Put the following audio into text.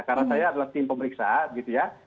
karena saya adalah tim pemeriksa